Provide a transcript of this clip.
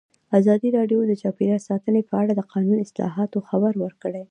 ازادي راډیو د چاپیریال ساتنه په اړه د قانوني اصلاحاتو خبر ورکړی.